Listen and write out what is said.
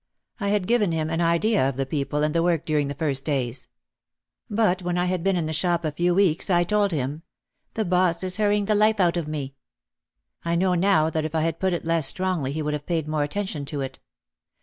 I had given him an idea of the people and the work during the first days. But when I had been in the shop a few weeks I told him, "The boss is hurrying the life out of me." I know now that if I had put it less strongly he would have paid more attention to it.